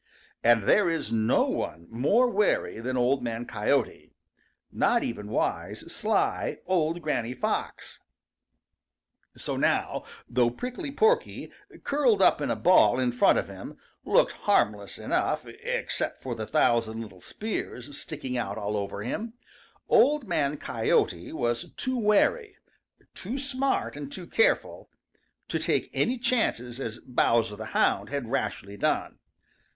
And there is no one more wary than Old Man Coyote, not even wise, sly, old Granny Fox. So now, though Prickly Porky, curled up in a ball in front of him, looked harmless enough except for the thousand little spears sticking out all over him, Old Man Coyote was too wary too smart and too careful to take any chances as Bowser the Hound had rashly done.